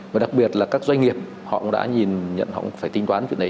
và đặc biệt là các doanh nghiệp họ cũng đã nhìn nhận họ cũng phải tinh toán chuyện đấy